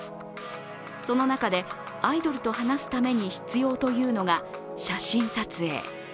その中で、アイドルと話すために必要というのが写真撮影。